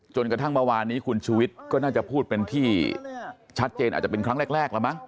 จนกระทั่งเมื่อวานนี้คุณชูวิทย์ก็น่าจะพูดเป็นที่ชัดเจนอาจจะเป็นครั้งแรกแล้วมั้ง